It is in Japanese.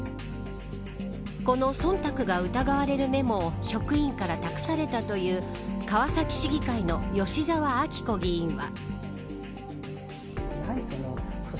この忖度が疑われるメモを職員から託されたという川崎市議会の吉沢章子議員は。